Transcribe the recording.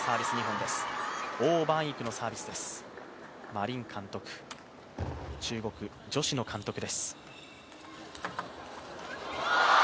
馬琳監督、中国女子の監督です。